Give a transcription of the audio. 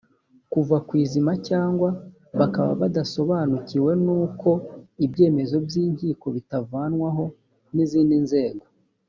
kuva ku izima cyangwa bakaba badasobanukiwe n uko ibyemezo by inkiko bitavanwaho n izindi nzego